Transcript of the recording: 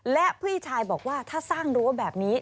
และพี่ชายบอกว่าถ้าสร้างรั้วแบบนี้